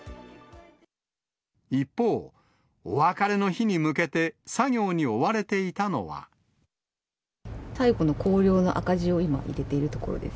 一方、お別れの日に向けて、最後の校了の赤字を今、こうやって入れてるところです。